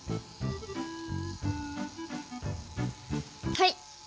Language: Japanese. はい。